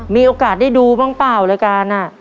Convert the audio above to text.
มีโอกาสได้ดูบ้างเปล่ารายการ